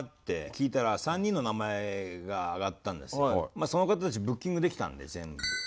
まあその方たちブッキングできたんで全員。